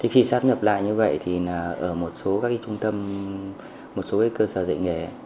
khi sát nhập lại như vậy thì ở một số các trung tâm một số cơ sở dạy nghề